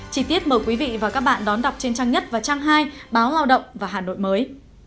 chí tiết mời quý vị và các bạn đón đọc trên trang nhất và trang hai báo lao động và hà nội mới